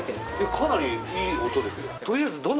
かなりいい音ですよ